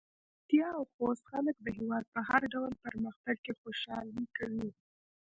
پکتيا او خوست خلک د هېواد په هر ډول پرمختګ کې خوشحالي کوي.